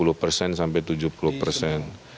dari sepuluh persen sampai tujuh puluh persen